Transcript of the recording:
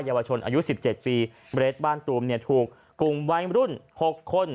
ยาวชนอายุ๑๗ปีเรดบ้านตูมเนี่ยถูกกลุ่มวัยมรุ่น๖คน